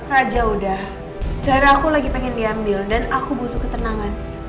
raja udah cara aku lagi pengen diambil dan aku butuh ketenangan